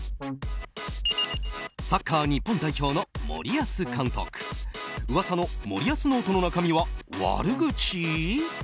サッカー日本代表の森保監督噂の森保ノートの中身は悪口？